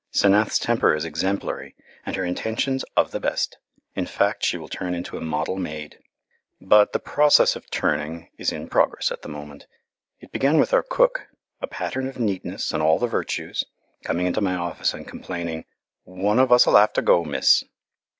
'Senath's temper is exemplary, and her intentions of the best; in fact, she will turn into a model maid. But the process of turning is in progress at the moment. It began with our cook, a pattern of neatness and all the virtues, coming into my office and complaining, "One of us'll have to go, miss."